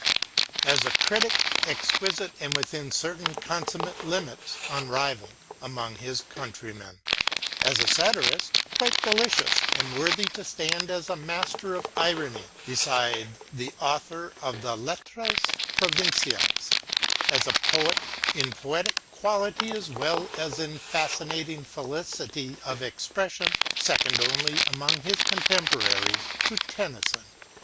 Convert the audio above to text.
As a critic, exquisite and within certain consummate limits unrivalled among his countrymen ; as a satirist, quite delicious and worthy to stand as a master of irony beside the author of the Lettres Pro vinciales ; as a poet, in poetic quality as well as in fascinating felicity of expression second only among his contemporaries to Tennyson.